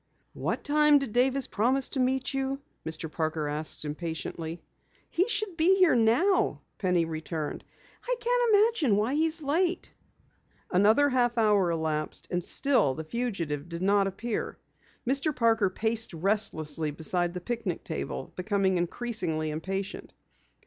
"What time did Davis promise to meet you?" Mr. Parker asked impatiently. "He should be here now," Penny returned. "I can't imagine why he's late." Another half hour elapsed, and still the fugitive did not appear. Mr. Parker paced restlessly beside the picnic table, becoming increasingly impatient.